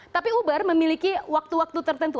tapi uber memiliki waktu waktu tertentu